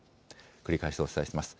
繰り返しお伝えします。